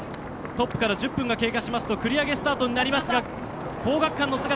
トップから１０分が経過すると繰り上げスタートになります。